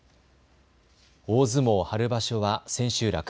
大相撲春場所は千秋楽。